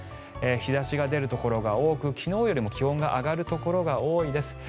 日差しが出るところが多く昨日よりも気温が上がるところが多いです。